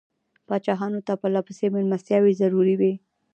پاچایانو ته پرله پسې مېلمستیاوې ضروري وې.